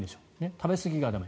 食べすぎが駄目。